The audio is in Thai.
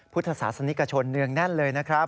พุทธศาสนิกชนเนืองแน่นเลยนะครับ